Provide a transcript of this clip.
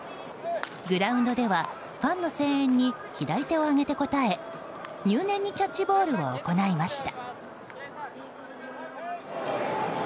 グラウンドではファンの声援に左手を上げて応え入念にキャッチボールを行いました。